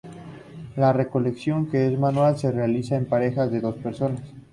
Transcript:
La recolección, que es manual, se realiza en parejas de dos personas.